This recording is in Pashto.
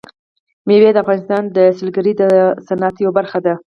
مېوې د افغانستان د سیلګرۍ د صنعت یوه برخه ده.